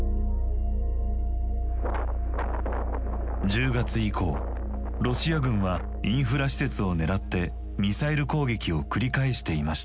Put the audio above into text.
１０月以降ロシア軍はインフラ施設を狙ってミサイル攻撃を繰り返していました。